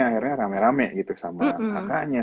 akhirnya rame rame gitu sama kakaknya